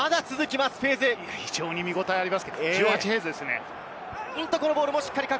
非常に見応えありますね、１８フェーズです。